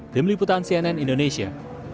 di meliputan cnn indonesia